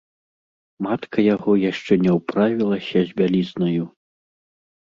Матка яго яшчэ не ўправілася з бялізнаю.